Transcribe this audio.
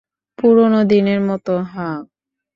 পুরোনো দিনের মতো, হাহ?